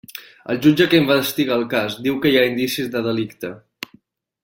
El jutge que investiga el cas diu que hi ha indicis de delicte.